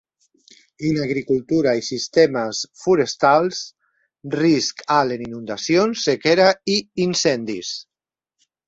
En agricultura i sistemes forestals, risc alt en inundacions, sequera i incendis.